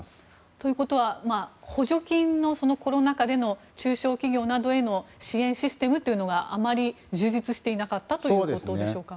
ということは補助金のコロナ禍での中小企業などへの支援システムがあまり充実していなかったということでしょうか？